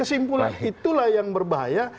kesimpulan itulah yang berbahaya